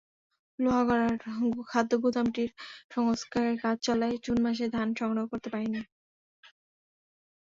লোহাগাড়ার খাদ্যগুদামটির সংস্কারের কাজ চলায় জুন মাসে ধান সংগ্রহ করতে পারিনি।